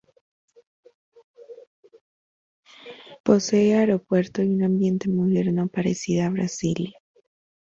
Posee aeropuerto y un ambiente moderno, parecida a Brasilia.